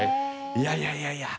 いやいやいやいや。